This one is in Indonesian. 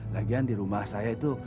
lagian di rumah saya itu